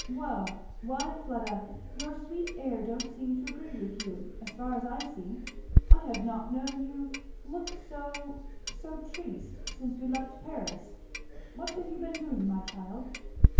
"Well Why Fleda, your sweet air don't seem to agree with you, as far as I see; I have not known you look so so triste since we left Paris. What have you been doing, my child?"